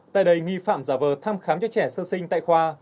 tại đây nghi phạm giả vờ thăm khám cho trẻ sơ sinh tại khoa